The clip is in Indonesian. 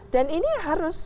dan ini harus